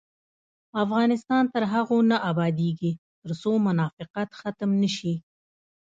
افغانستان تر هغو نه ابادیږي، ترڅو منافقت ختم نشي.